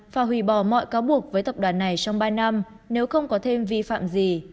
và hủy bỏ mọi cáo buộc với tập đoàn này trong ba năm nếu không có thêm vi phạm gì